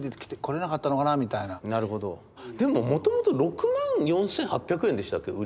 でももともと６万４，８００円でしたっけ売り出した時が。